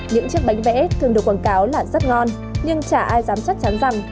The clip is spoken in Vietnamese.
những chiếc bánh vẽ thường được quảng cáo là rất ngon nhưng chả ai dám chắc chắn rằng